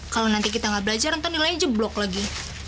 kalau nanti kita nggak belajar nanti nilainya jeblok lagi